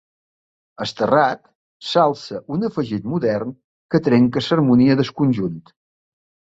Al terrat s'alça un afegit modern que trenca l'harmonia del conjunt.